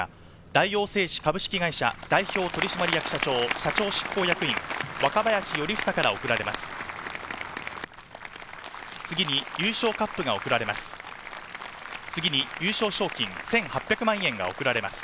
大王製紙株式会社代表取締役社長、社長執行役員・若林頼房から贈られます。